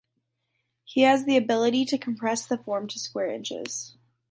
He has the ability to compress the form to square inches.